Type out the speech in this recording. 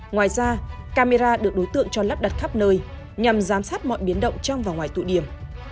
ngoài ra camera được đối tượng cho lắp đặt khắp nơi nhằm giám sát mọi biến động trong và ngoài tụ điểm